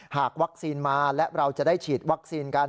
หากวัคซีนมาและเราจะได้ฉีดวัคซีนกัน